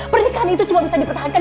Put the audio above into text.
pernikahan itu cuma bisa dipertahankan